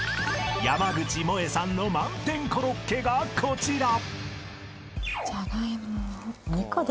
［山口もえさんの満点コロッケがこちら］